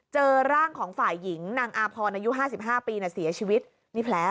เจอร่างของฝ่ายหญิงนางอาพรอายุห้าสิบห้าปีน่ะเสียชีวิตนี่แผล